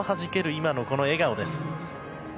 今の、この笑顔です。